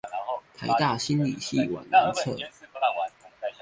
臺大心理系館南側